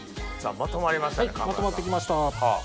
まとまって来ました。